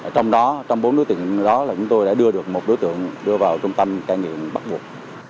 trong bốn đối tượng đó chúng tôi đã đưa được một đối tượng đưa vào trung tâm ca nghiện bắt buộc